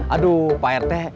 aduh pak rete